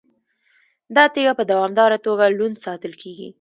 دا تیږه په دوامداره توګه لوند ساتل کیږي.